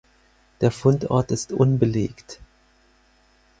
Der Fundort ist unbelegt.